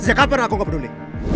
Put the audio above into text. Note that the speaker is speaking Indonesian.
sejak kapan aku gak peduli